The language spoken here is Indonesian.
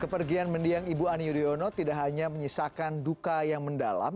kepergian mendiang ibu ani yudhoyono tidak hanya menyisakan duka yang mendalam